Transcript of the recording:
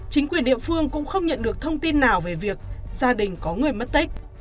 chính quyền địa phương cũng không nhận được thông tin nào về việc gia đình có người mất tích